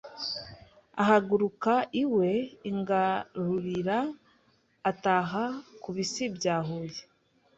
Ahaguruka iwe i Ngarulira ataha ku Bisi bya Huye